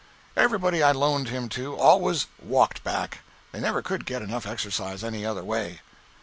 Everybody I loaned him to always walked back; they never could get enough exercise any other way.